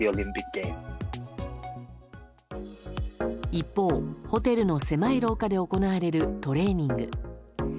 一方、ホテルの狭い廊下で行われるトレーニング。